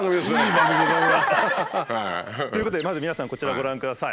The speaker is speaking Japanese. ということでまず皆さんこちらご覧ください。